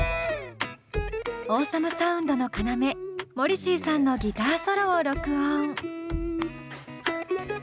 オーサムサウンドの要モリシーさんのギターソロを録音。